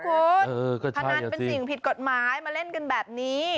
คุณพนันเป็นสิ่งผิดกฎหมายมาเล่นกันแบบนี้